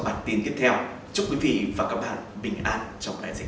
bản tin tiếp theo chúc quý vị và các bạn bình an trong bản tin